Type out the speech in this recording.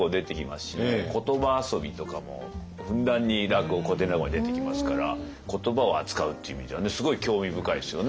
言葉遊びとかもふんだんに古典落語には出てきますから言葉を扱うっていう意味ではすごい興味深いですよね。